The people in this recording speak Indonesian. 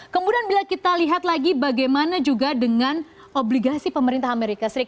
kemudian bila kita lihat lagi bagaimana juga dengan obligasi pemerintah amerika serikat